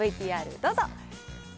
ＶＴＲどうぞ。